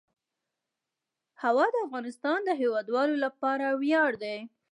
هوا د افغانستان د هیوادوالو لپاره ویاړ دی.